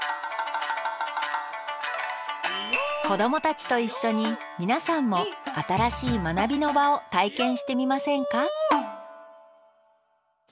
子どもたちと一緒に皆さんも新しい学びの場を体験してみませんか？